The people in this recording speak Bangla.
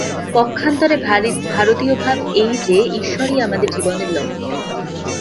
পক্ষান্তরে ভারতীয় ভাব এই যে, ঈশ্বরই আমাদের জীবনের লক্ষ্য।